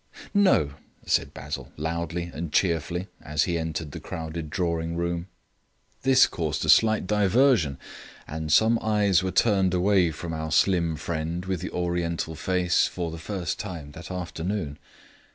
"No," said Basil, loudly and cheerfully, as he entered the crowded drawing room. This caused a slight diversion, and some eyes were turned away from our slim friend with the Oriental face for the first time that afternoon.